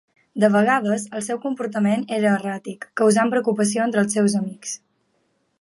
De vegades, el seu comportament era erràtic, causant preocupació entre els seus amics.